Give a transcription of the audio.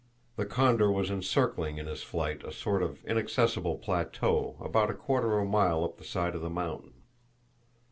The condor was encircling in his flight a sort of inaccessible plateau about a quarter of a mile up the side of the mountain.